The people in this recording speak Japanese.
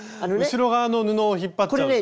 後ろ側の布を引っ張っちゃうというか。